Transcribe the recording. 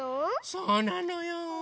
そうなのよ。